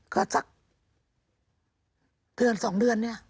ก็สักเดือน๒เดือนเนี่ย